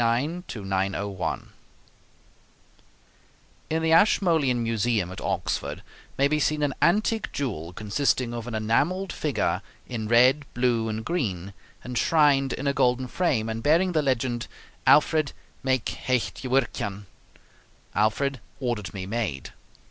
ALFRED THE GREAT (849 901) In the Ashmolean Museum at Oxford may be seen an antique jewel, consisting of an enameled figure in red, blue, and green, enshrined in a golden frame, and bearing the legend "Alfred mec heht gewyrcean" (Alfred ordered me made).